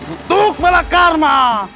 untuk melak karma